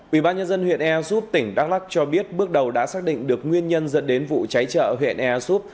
ubnd huyện air soup tỉnh đắk lắc cho biết bước đầu đã xác định được nguyên nhân dẫn đến vụ cháy chợ huyện air soup